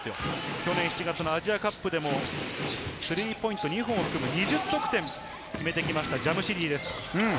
去年のアジア大会でも３ポイント２本を含む２０得点を決めてきました、ジャムシディです。